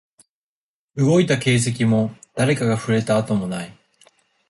動いた形跡も、誰かが触れた跡もなかった